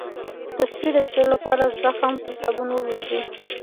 د سپي د چیچلو لپاره زخم په صابون ووینځئ